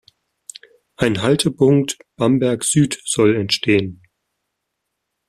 Ein Haltepunkt Bamberg Süd soll entstehen.